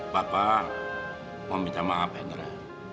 bapak meminta maaf hendra